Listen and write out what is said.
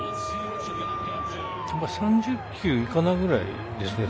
３０球いかないぐらいですよね。